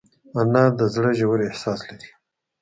انا د زړه ژور احساس لري